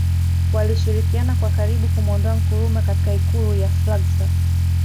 Walishirikiana kwa karibu kumuondoa Nkrumah katika ikulu ya Flagstaff